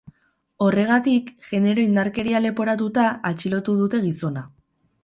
Horregatik, genero indarkeria leporatuta atxilotu dute gizona.